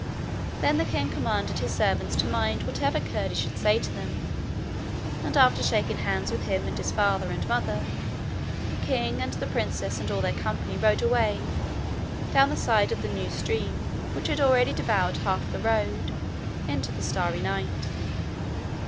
Then the king commanded his servants to mind whatever Curdie should say to them, and after shaking hands with him and his father and mother, the king and the princess and all their company rode away down the side of the new stream, which had already devoured half the road, into the starry night.